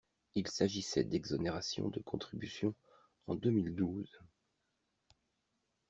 Il s’agissait d’exonération de contributions en deux mille douze.